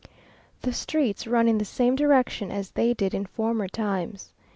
The streets run in the same direction as they did in former times.